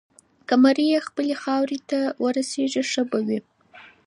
که مړی یې خپلې خاورې ته ورسیږي، ښه به وي.